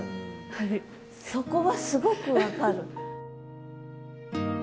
そこはすごく分かる。